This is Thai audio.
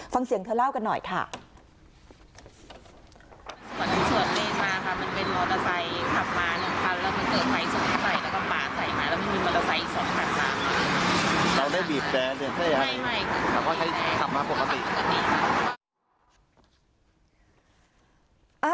ฟังเสียงเธอเล่ากันหน่อยค่ะ